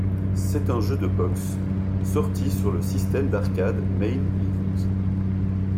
C'est un jeu de boxe, sorti sur le système d'arcade Main Event.